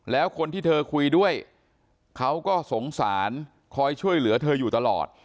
แล้วคนที่เธอคุยด้วยเขาก็สงสารคอยช่วยเหลือเธออยู่ตลอด